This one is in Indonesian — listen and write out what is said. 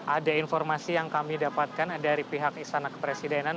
ada informasi yang kami dapatkan dari pihak istana kepresidenan